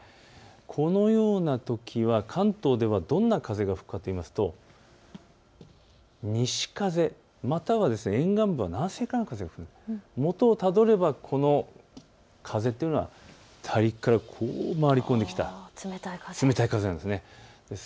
このようなときは関東ではどんな風が吹くかというと西風、または沿岸部は南西からの風、もとをたどればこの風というのは大陸から回り込んできた冷たい風なんです。